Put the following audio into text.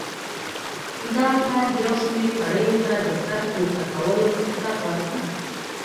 دا کار یو شمېر کړیو ته د سر پورته کولو فرصت ورکړ.